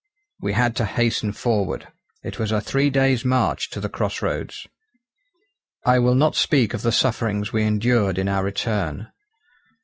We had to hasten forward. It was a three days' march to the cross roads. I will not speak of the sufferings we endured in our return.